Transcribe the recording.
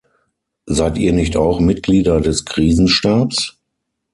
Seid ihr nicht auch Mitglieder des Krisenstabs?